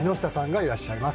いらっしゃいます。